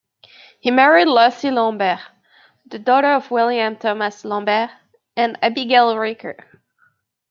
He married Lucy Lambert, the daughter of William Thomas Lambert and Abigail Ricker.